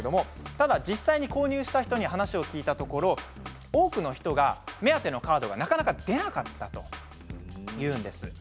ただ、実際に購入した人に話を聞いたところ多くの人が目当てのカードはなかなか出なかったというんです。